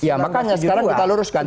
ya makanya sekarang kita luruskan